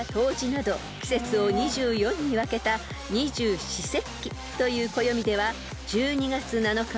［など季節を２４に分けた二十四節気という暦では１２月７日は］